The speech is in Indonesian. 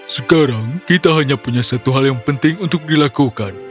sekarang kita hanya punya satu hal yang penting untuk dilakukan